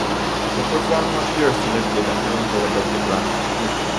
The performer appears to levitate a few inches above the ground.